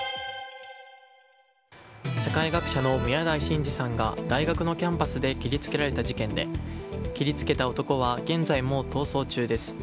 社会学者の宮台真司さんが大学のキャンパスで切りつけられた事件で切りつけた男は現在も逃走中です。